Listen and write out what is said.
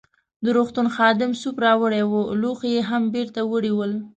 د روغتون خادم سوپ راوړی وو، لوښي يې هم بیرته وړي ول.